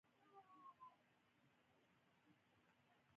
زړورتیا د بریالیتوب لاره ده.